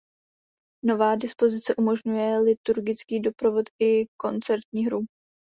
Nová dispozice umožňuje liturgický doprovod i koncertní hru.